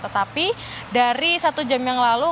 tetapi dari satu jam yang lalu